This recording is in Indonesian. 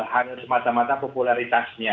hanya semata mata popularitasnya